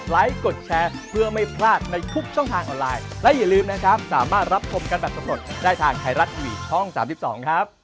และอย่าลืมนะครับสามารถรับคลมกันแบบสมมติได้ทางไทรัตวีช่อง๓๒ครับ